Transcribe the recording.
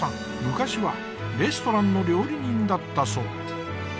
昔はレストランの料理人だったそう。